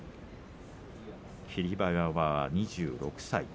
霧馬山は２６歳。